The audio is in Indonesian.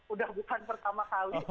udah bukan pertama kali